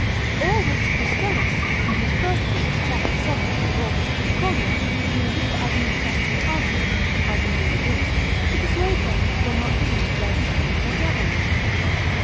All which Guil. Postellus, in his first book, c. 7, de orbis concordia, useth as an effectual argument (as indeed it is) to persuade them that will not believe there be spirits or devils.